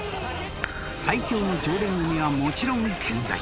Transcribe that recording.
［最強の常連組はもちろん健在］